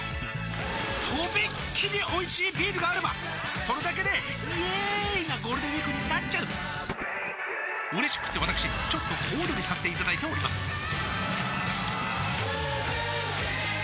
とびっきりおいしいビールがあればそれだけでイエーーーーーイなゴールデンウィークになっちゃううれしくってわたくしちょっと小躍りさせていただいておりますさあ